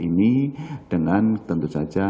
ini dengan tentu saja